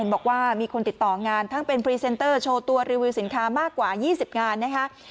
บอกว่ามีคนติดต่องานทั้งเป็นพรีเซนเตอร์โชว์ตัวรีวิวสินค้ามากกว่า๒๐งานนะคะ